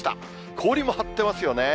氷も張ってますよね。